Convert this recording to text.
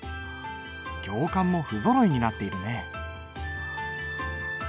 行間も不ぞろいになっているね。